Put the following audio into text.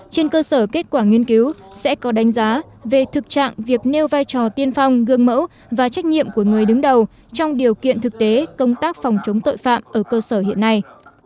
trên cơ sở kết quả nghiên cứu sẽ có đánh giá về thực trạng việc nêu vai trò tiên phong gương mẫu và trách nhiệm của người đứng đầu trong điều kiện thực tế công tác phòng chống tội phạm ở cơ sở hiện nay